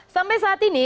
sampai saat ini